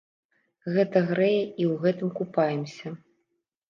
Гэта грэе і ў гэтым купаемся.